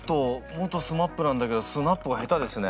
元ＳＭＡＰなんだけどスナップが下手ですね。